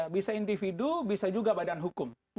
bisa individu bisa juga badan hukum